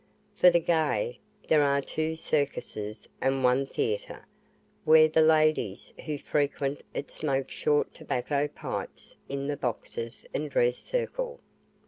For the gay, there are two circuses and one theatre, where the "ladies" who frequent it smoke short tobacco pipes in the boxes and dress circle.